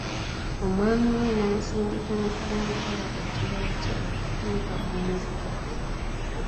Omwami we n'asindika mpola mpola ekibajje okutuuka ku mugga.